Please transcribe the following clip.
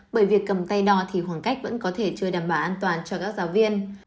bởi việc cầm tay đo thì khoảng cách vẫn có thể chưa đảm bảo an toàn cho các giáo viên